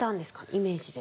イメージで。